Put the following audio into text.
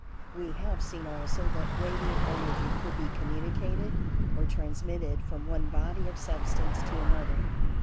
We have seen also that Radiant Energy could be communicated or transmitted from one body of Substance to another.